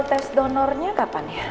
tes donornya kapan ya